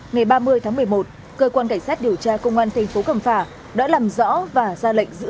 ngày ba mươi tháng một mươi một cơ quan cảnh sát điều tra công an thành phố cẩm phả đã làm rõ và ra lệnh giữ